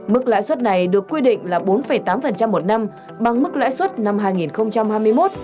mức lãi suất này được quy định là bốn tám một năm bằng mức lãi suất năm hai nghìn hai mươi một